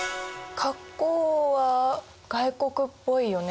格好は外国っぽいよね？